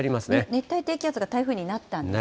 熱帯低気圧が台風になったんですね。